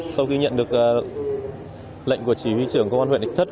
sau khi nhận được lệnh của chỉ huy trưởng công an huyện định thất